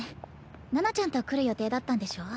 七菜ちゃんと来る予定だったんでしょ？